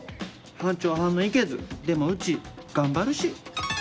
班長はんのいけずでもうち頑張るし。